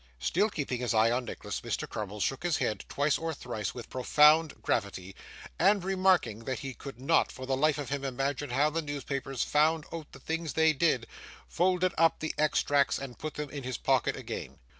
Still keeping his eye on Nicholas, Mr. Crummles shook his head twice or thrice with profound gravity, and remarking, that he could not for the life of him imagine how the newspapers found out the things they did, folded up the extracts and put them in his pocket again.